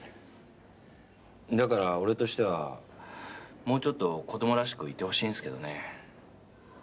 だから俺としてはもうちょっと子供らしくいてほしいんすけどね。